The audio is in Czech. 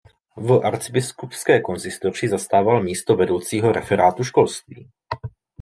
V arcibiskupské konzistoři zastával místo vedoucího referátu školství.